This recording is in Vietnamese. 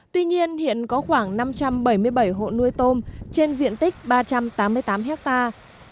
tuy nhiên hiện có khoảng năm trăm bảy mươi bảy hộ nuôi tôm trên diện tích ba trăm tám mươi tám hectare